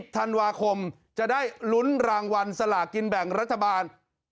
ธันวาคมจะได้ลุ้นรางวัลสลากินแบ่งรัฐบาล